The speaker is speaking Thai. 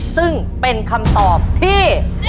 ซึ่งเป็นคำตอบที่